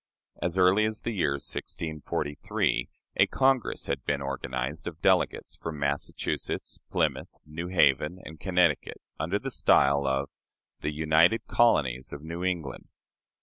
As early as the year 1643 a Congress had been organized of delegates from Massachusetts, Plymouth, New Haven, and Connecticut, under the style of "The United Colonies of New England."